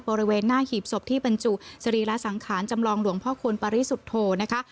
บริเวณหน้าหีบศพที่บรรจุสรีระสังขารจำลองหลวงพ่อคุณปริสุทธโธนะคะ